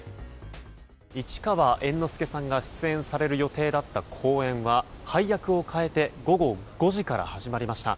市川猿之助さんが出演される予定だった公演は配役を変えて午後５時から始まりました。